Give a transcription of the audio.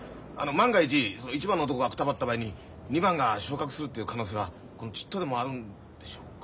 万が一その１番の男がくたばった場合に２番が昇格するっていう可能性はちっとでもあるんでしょうか？